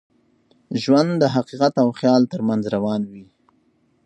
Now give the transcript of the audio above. ژوند د حقیقت او خیال تر منځ روان وي.